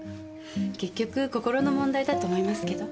結局心の問題だと思いますけど。